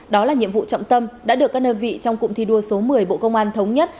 đó là nhiệm vụ trọng tâm đã được các nơ vị trong cụm thi đua số một mươi bộ công an thống nhất